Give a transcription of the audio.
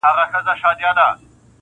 • چي د سیمي اوسېدونکي -